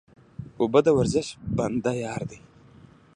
اوبه د ورزش بنده یار دی